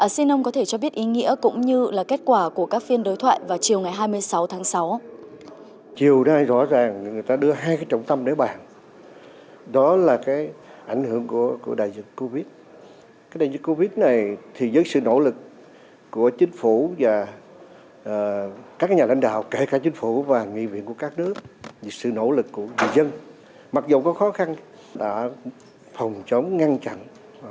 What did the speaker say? xin ông có thể cho biết ý nghĩa cũng như là kết quả của các phiên đối thoại vào chiều ngày hai mươi sáu tháng sáu